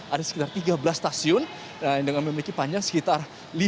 ada sekitar tiga belas stasiun dengan memiliki panjang sekitar lima belas